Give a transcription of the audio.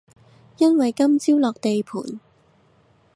因為今朝落地盤